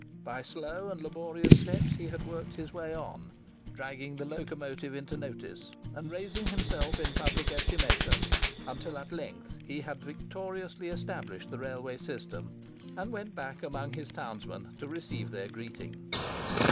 By slow and laborious steps he had worked his way on, dragging the locomotive into notice, and raising himself in public estimation; until at length he had victoriously established the railway system, and went back amongst his townsmen to receive their greeting.